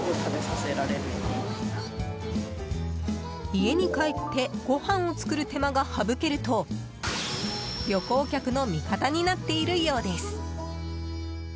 家に帰ってごはんを作る手間が省けると旅行客の味方になっているようです。